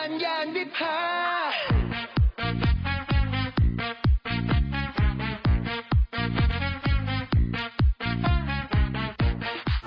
นุ่มแดง